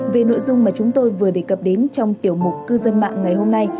về nội dung mà chúng tôi vừa đề cập đến trong tiểu mục cư dân mạng ngày hôm nay